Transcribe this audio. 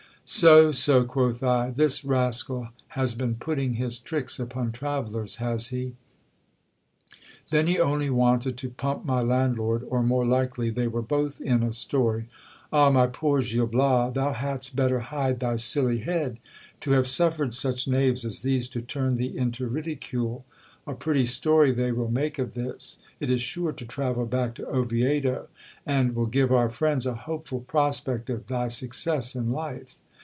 So, so ! quoth I, this rascal has been putting his tricks upon travellers, has he ? Then he only wanted to pump my landlord ! or more likely they were both in a story. Ah ! my poor Gil Bias, thou hadst better hide thy silly head ! To have suffered such knaves as these to turn thee into ridicule ! A pretty story they will make of this ! It is sure to travel back to Oviedo ; and will give our friends a hopeful prospect of thy success in life.